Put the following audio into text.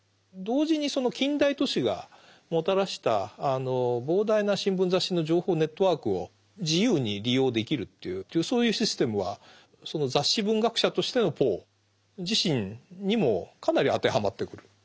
同時にその近代都市がもたらした膨大な新聞雑誌の情報ネットワークを自由に利用できるというそういうシステムはその雑誌文学者としてのポー自身にもかなり当てはまってくる。